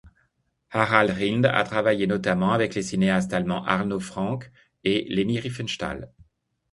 Harald Reinl a travaillé notamment avec les cinéastes allemands Arnold Fanck et Leni Riefenstahl.